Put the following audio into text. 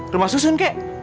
rumah susun ki